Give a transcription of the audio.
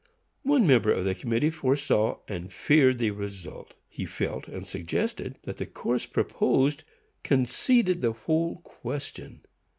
One member of the committee foresaw and feared the result. He felt and suggested that the course proposed conceded the whole question.